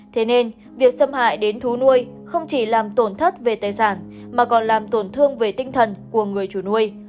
thế nên việc xâm hại đến thú nuôi không chỉ làm tổn thất về tài sản mà còn làm tổn thương về tinh thần của người chủ nuôi